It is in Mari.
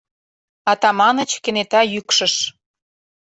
Атаманыч кенета йӱкшыш.